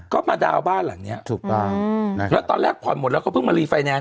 ก็มาดาวบ้านหลังเนี้ยถูกต้องแล้วตอนแรกผ่อนหมดแล้วก็เพิ่งมา